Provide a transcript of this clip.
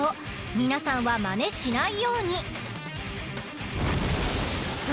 皆さんは真似しないように！